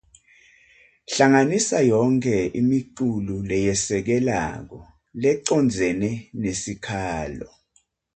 Hlanganisa yonkhe imiculu leyesekelako lecondzene nesikhalo.